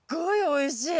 おいしい？